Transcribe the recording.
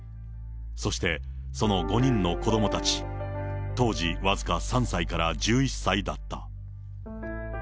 そしてその５人の子どもたち、当時僅か３歳から１１歳だった。